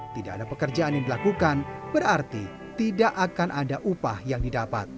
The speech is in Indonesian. tidak ada pekerjaan yang dilakukan berarti tidak akan ada upah yang didapat